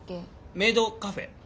メイドカフェ。